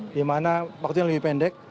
di mana waktunya lebih pendek